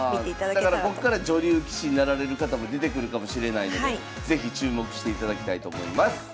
だからこっから女流棋士になられる方も出てくるかもしれないので是非注目していただきたいと思います。